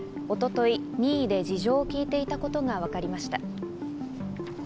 一昨日、任意で事情を聴いていたことがわかりました。